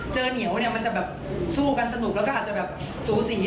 เจอเหนียวมันจะสู้กันสนุกแล้วก็อาจจะสูสี